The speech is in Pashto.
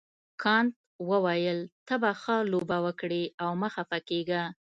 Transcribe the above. کانت وویل ته به ښه لوبه وکړې او مه خفه کیږه.